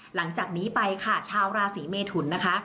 หลังจากนี้ไปค่ะชาวราศีเมทุนนะคะ